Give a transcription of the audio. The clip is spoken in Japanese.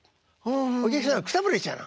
お客さんがくたぶれちゃうの。